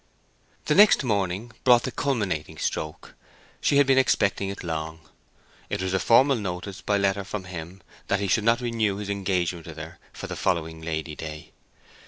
The next morning brought the culminating stroke; she had been expecting it long. It was a formal notice by letter from him that he should not renew his engagement with her for the following Lady day.